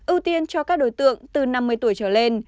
ưu tiên cho các đối tượng từ năm mươi tuổi trở lên